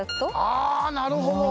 ああなるほど。